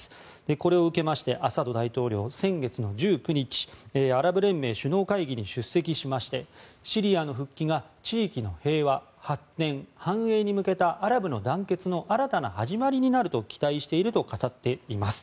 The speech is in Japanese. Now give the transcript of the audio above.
これを受け、アサド大統領は先月１９日アラブ連盟首脳会議に出席しましてシリアの復帰が地域の平和・発展・繁栄に向けたアラブの団結の新たな始まりになると期待していると語っています。